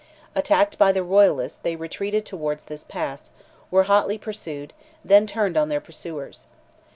Attacked by the royalists they retreated towards this pass, were hotly pursued, and then turned on their pursuers.